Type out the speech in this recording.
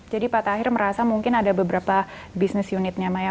jadi pak tahir merasa mungkin ada beberapa business unitnya maya